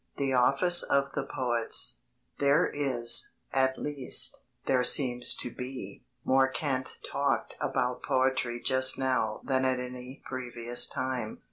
THE OFFICE OF THE POETS There is at least, there seems to be more cant talked about poetry just now than at any previous time.